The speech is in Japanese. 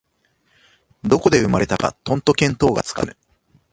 どこで生まれたかとんと見当がつかぬ